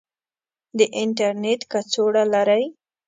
د انترنیټ کڅوړه لرئ؟